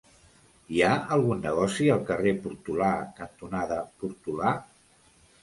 Hi ha algun negoci al carrer Portolà cantonada Portolà?